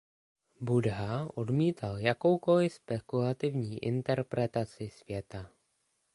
Buddha odmítal jakoukoli spekulativní interpretaci světa.